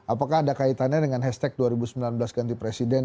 apakah ada kaitannya dengan hashtag dua ribu sembilan belas ganti presiden